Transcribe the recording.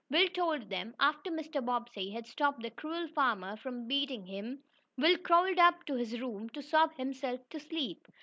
Will told them. After Mr. Bobbsey had stopped the cruel farmer from beating him, Will crawled up to his room to sob himself to sleep.